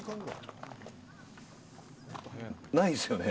ないですよね。